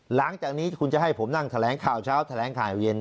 หลังจากนี้คุณจะให้ผมนั่งแถลงข่าวเช้าแถลงข่าวเย็น